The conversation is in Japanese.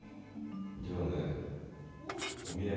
じゃあねお土産ね。